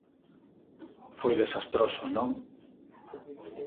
Foi desastroso, non?